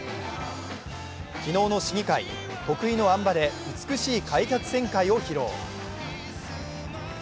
昨日の試技会、得意のあん馬で美しい開脚旋回を披露。